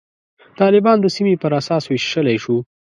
طالبان د سیمې پر اساس ویشلای شو.